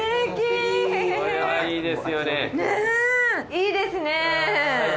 いいですね。